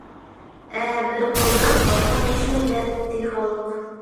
Ә бер ҡылдан арҡан ишмәйҙәр, ти халыҡ.